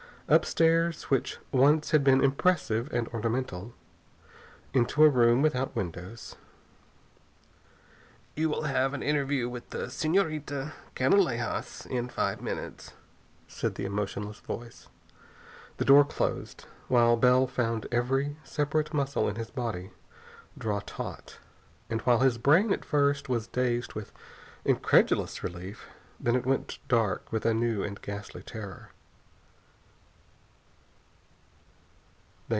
Up stairs which once had been impressive and ornamental. Into a room without windows. "You will have an interview with the Señorita Canalejas in five minutes," said the emotionless voice. The door closed, while Bell found every separate muscle in his body draw taut. And while his brain at first was dazed with incredulous relief, then it went dark with a new and ghastly terror.